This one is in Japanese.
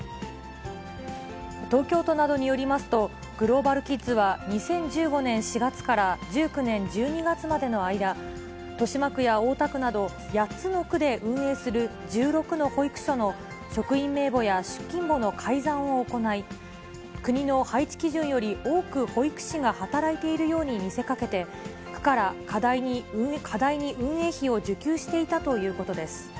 東京都などによりますと、グローバルキッズは、２０１５年４月から１９年１２月までの間、豊島区や大田区など、８つの区で運営する１６の保育所の職員名簿や出勤簿の改ざんを行い、国の配置基準より多く保育士が働いているように見せかけて、区から過大に運営費を受給していたということです。